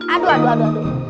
aduh aduh aduh